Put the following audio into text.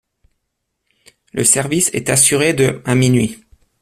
Le service est assuré de à minuit.